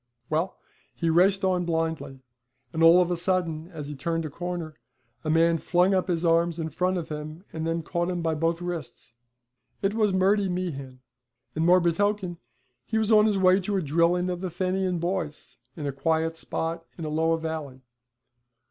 Well, he raced on blindly, and all of a sudden, as he turned a corner, a man flung up his arms in front of him, and then caught him by both wrists. It was Murty Meehan, and more betoken, he was on his way to a drilling of the Fenian boys in a quiet spot in Alloa Valley.